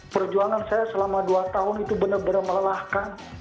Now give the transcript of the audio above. perjuangan saya selama dua tahun itu benar benar melelahkan